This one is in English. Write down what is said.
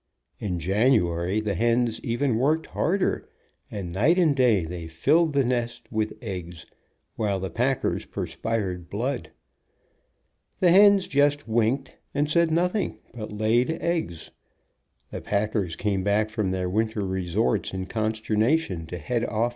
In January the hens even worked harder, and night and day they filled the nests with eggs, while the packers perspired blood. The hens just winked, and said nothing, but laid eggs. The packers came back from their winter resorts in consternation, to head off the hens.